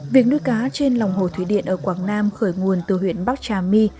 việc nuôi cá trên lòng hồ thủy điện ở quảng nam khởi nguồn từ huyện bắc trà my